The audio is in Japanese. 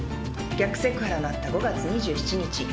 逆セクハラがあった５月２７日。